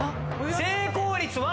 成功率は。